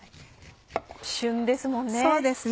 旬ですもんね。